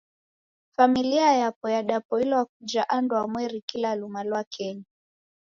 Familia yapo yadapoilwa kuja andwamweri kila luma lwa kenyi.